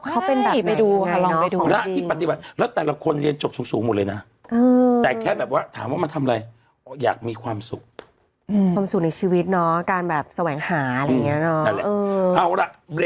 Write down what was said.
เอ้าล่ะบรีกันสักครู่เดี๋ยวกลับมาก็ตอบกับข้าวใส่ใครฮะอืม